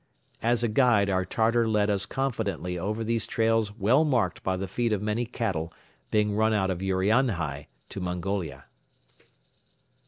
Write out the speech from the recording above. As a guide our Tartar led us confidently over these trails well marked by the feet of many cattle being run out of Urianhai to Mongolia.